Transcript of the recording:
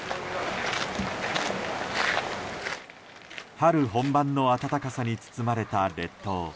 春本番の暖かさに包まれた列島。